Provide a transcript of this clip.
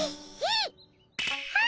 えっ？